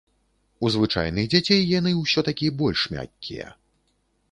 У звычайных дзяцей яны ўсё-такі больш мяккія.